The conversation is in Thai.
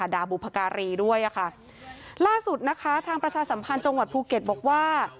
ด่าบุพการีด้วยอ่ะค่ะล่าสุดนะคะทางประชาสัมพันธ์จังหวัดภูเก็ตบอกว่า